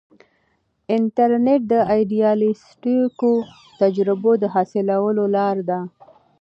انټرنیټ د ایډیالیسټیکو تجربو د حاصلولو لار ده.